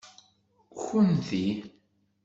Kkunti.